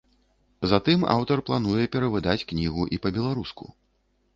Затым аўтар плануе перавыдаць кнігу і па-беларуску.